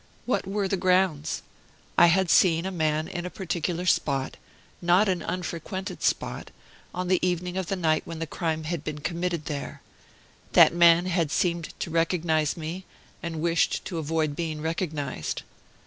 What were the grounds? I had seen a man in a particular spot, not an unfrequented spot, on the evening of the night when the crime had been committed there; that man had seemed to recognize me, and wished to avoid being recognized.